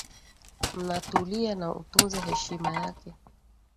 Mnatulia na utunze heshima yake.